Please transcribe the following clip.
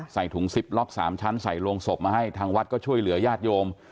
ใส่ถุงซิปล็อก๓ชั้นใส่โรงศพมาให้ทางวัดก็ช่วยเหลือญาติโยม